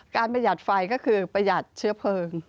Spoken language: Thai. ประหยัดไฟก็คือประหยัดเชื้อเพลิง